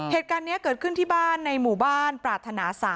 เหตุการณ์นี้เกิดขึ้นที่บ้านในหมู่บ้านปรารถนา๓